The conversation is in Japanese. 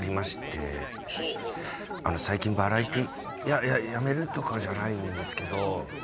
いややめるとかじゃないんですけど。